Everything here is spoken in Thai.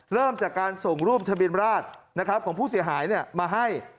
เริ่มจากการส่งรูปทะเบียนราชของผู้เสียหายมาให้